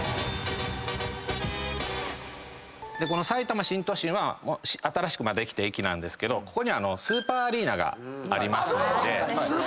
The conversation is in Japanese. このさいたま新都心は新しくできた駅なんですけどここにはスーパーアリーナがありますので。